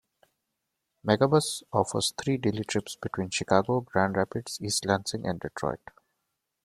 Megabus offers three daily trips between Chicago, Grand Rapids, East Lansing, and Detroit.